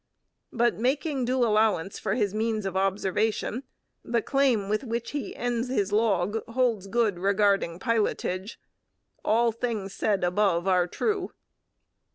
But, making due allowance for his means of observation, the claim with which he ends his log holds good regarding pilotage: 'All things said above are true.'